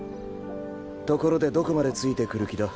ところでどこまでついてくる気だ。